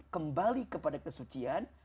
kembali kepada kesucian